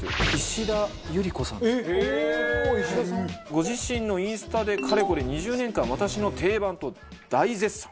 ご自身のインスタで「かれこれ２０年間私の定番！」と大絶賛。